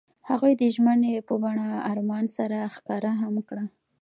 هغوی د ژمنې په بڼه آرمان سره ښکاره هم کړه.